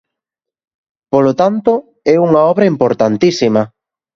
Polo tanto, é unha obra importantísima.